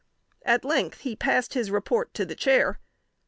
At length he passed his report to the Chair.